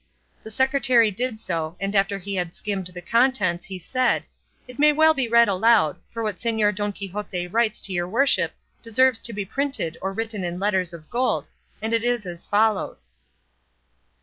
The secretary did so, and after he had skimmed the contents he said, "It may well be read aloud, for what Señor Don Quixote writes to your worship deserves to be printed or written in letters of gold, and it is as follows."